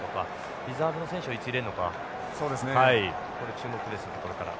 リザーブの選手をいつ入れるのかこれ注目ですねこれから。